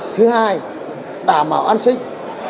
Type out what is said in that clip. thứ hai đảm bảo an sinh